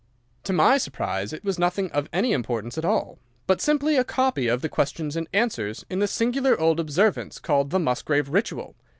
To my surprise it was nothing of any importance at all, but simply a copy of the questions and answers in the singular old observance called the Musgrave Ritual.